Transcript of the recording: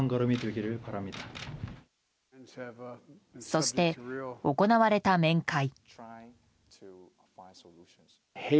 そして行われた面会。